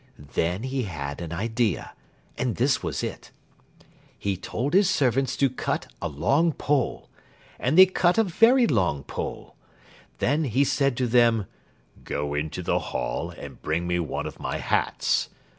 Then he had an idea, and this was it: He told his servants to cut a long pole. And they cut a very long pole. Then he said to them, "Go into the hall and bring me one of my hats.